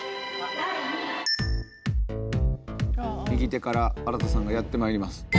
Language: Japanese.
右手から荒田さんがやって参ります。